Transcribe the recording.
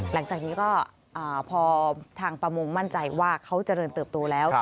หลังจากนี้ก็พอทางประมงมั่นใจว่าเขาเจริญเติบโตแล้ว